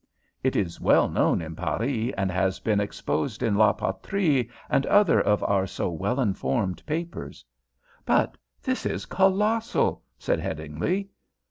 "It is well known in Paris, and has been exposed in La Patrie and other of our so well informed papers." "But this is colossal," said Headingly.